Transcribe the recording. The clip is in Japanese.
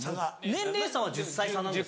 年齢差は１０歳差なんです。